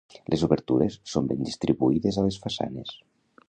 Les obertures són ben distribuïdes a les façanes.